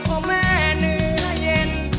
โอ้แม่เหนื่อยเย็น